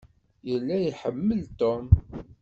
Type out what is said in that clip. Yella iḥemmel Tom.